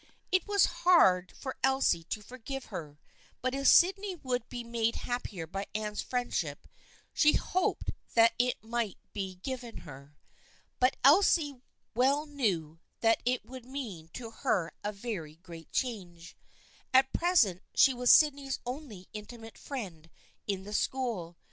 It was hard for Elsie to forgive her, but if Sydney would be made happier by Anne's friendship she hoped that it might be given her. But Elsie well knew that it would mean to her a very great change. At present she was Sydney's only intimate friend in the school.